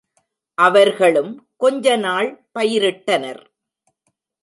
அவர்களும் கொஞ்ச நாள் பயிரிட்டனர்.